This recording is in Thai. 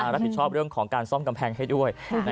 รับผิดชอบเรื่องของการซ่อมกำแพงให้ด้วย